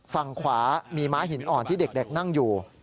ฝั่งขวามีม้าหินอ่อนที่เด็กนั่งอยู่